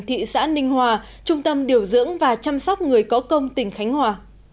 thị xã ninh hòa trung tâm điều dưỡng và chăm sóc người có công tỉnh khánh hòa